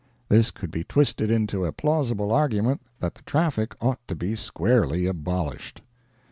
This could be twisted into a plausible argument that the traffic ought to be squarely abolished.